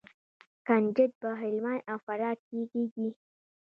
کنجد په هلمند او فراه کې کیږي.